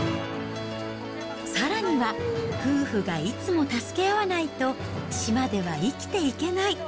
さらには、夫婦がいつも助け合わないと、島では生きていけない。